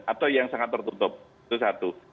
atau yang sangat tertutup itu satu